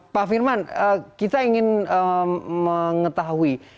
pak firman kita ingin mengetahui